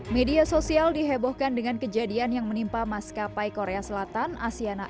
media sosial dihebohkan dengan kejadian yang menimpa maskapai korea selatan asyana